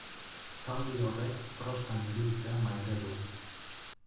Zaldi horrek trostan ibiltzea maite du.